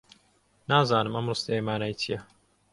نازانم ئەم ڕستەیە مانای چییە.